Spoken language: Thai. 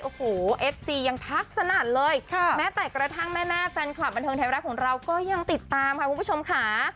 โอ้โหเอฟซียังทักสนัดเลยแม้แต่กระทั่งแม่แม่แฟนคลับบันเทิงไทยแวร์แรกของเราก็ยังติดตามค่ะ